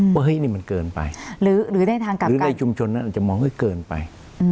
ว่าเฮ้ยนี่มันเกินไปหรือในชุมชนอาจจะมองให้เกินไป